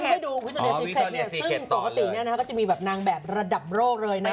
นั่งให้ดูวิทยาลัยสีเคสซึ่งปกติจะมีแบบนางแบบระดับโลกเลย